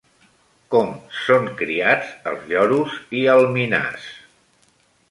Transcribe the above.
Com són criats els lloros i el minàs?